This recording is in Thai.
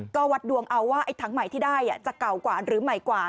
ก็วัดดวงเอาว่าไอ้ถังใหม่ที่ได้จะเก่ากว่าหรือใหม่กว่า